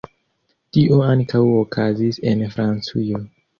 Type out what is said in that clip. Tio ankaŭ okazis en Francujo.